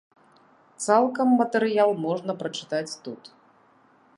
Цалкам матэрыял можна прачытаць тут.